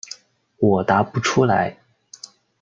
我答不出来。